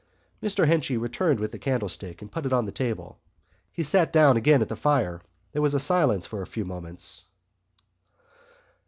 Mr Henchy returned with the candlestick and put it on the table. He sat down again at the fire. There was silence for a few moments.